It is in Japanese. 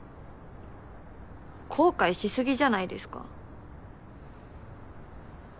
後悔しすぎじゃないですか。